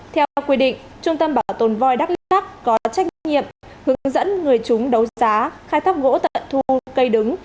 theo quy định trung tâm bảo tồn voi đắk lắc có trách nhiệm hướng dẫn người chúng đấu giá khai thác gỗ tận thu cây đứng